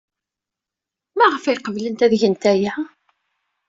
Maɣef ay qeblent ad gent aya?